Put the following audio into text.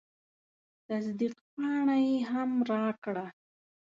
تصدیق پاڼه یې هم راکړه.